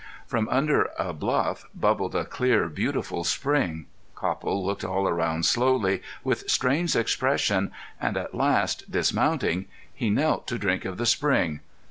From under a bluff bubbled a clear beautiful spring. Copple looked all around slowly, with strange expression, and at last, dismounting he knelt to drink of the spring.